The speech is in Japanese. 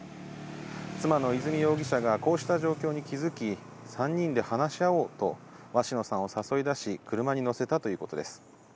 妻の和美容疑者がこうした状況に気付き、３人で話し合おうと、鷲野さんを誘い出し、車に乗せたということです。